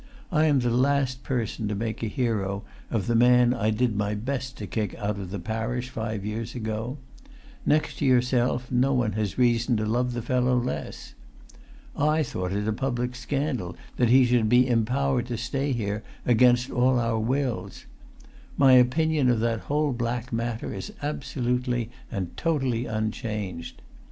I am the last per[Pg 343]son to make a hero of the man I did my best to kick out of the parish five years ago; next to yourself, no one has reason to love the fellow less. I thought it a public scandal that he should be empowered to stay here against all our wills. My opinion of that whole black matter is absolutely and totally unchanged.